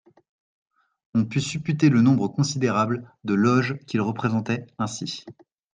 On put supputer le nombre considérable de Loges qu'il représentait ainsi.